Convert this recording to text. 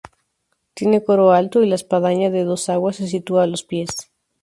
Tiene coro alto, y la espadaña de dos aguas se sitúa a los pies.